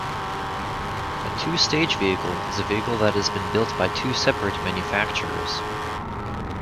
A two-stage vehicle is a vehicle that has been built by two separate manufacturers.